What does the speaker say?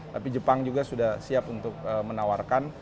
tapi jepang juga sudah siap untuk menawarkan